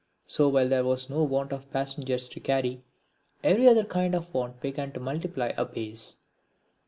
So while there was no want of passengers to carry, every other kind of want began to multiply apace.